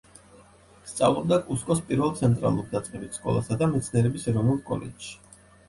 სწავლობდა კუსკოს პირველ ცენტრალურ დაწყებით სკოლასა და მეცნიერების ეროვნულ კოლეჯში.